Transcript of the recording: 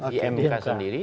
di mk sendiri